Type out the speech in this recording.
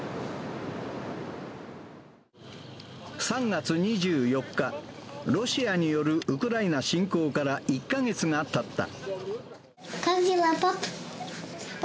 ３月２４日、ロシアによるウクライナ侵攻から１か月がたった。